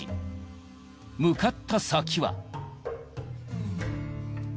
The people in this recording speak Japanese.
向かった先は。